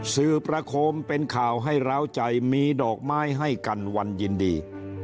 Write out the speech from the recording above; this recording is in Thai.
สื่อประโคมเป็นข่าวให้ร้าวใจมีดอกไม้ให้กันวันยินดี